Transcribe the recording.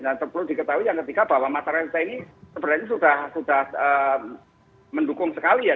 dan tentu diketahui yang ketiga bahwa masyarakat ini sebenarnya sudah mendukung sekali ya